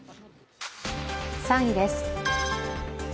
３位です。